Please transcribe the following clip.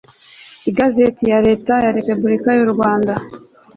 mw igazeti ya leta ya repubulika y u rwanda